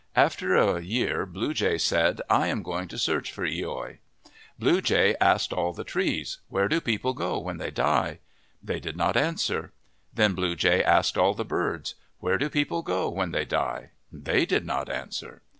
After a year Blue Jay said, " I am going to search for loi." Blue Jay asked all the trees, " Where do people go when they die?' They did not answer. Then Blue Jay asked all the birds, "Where do people go when they die ?' They did not answer.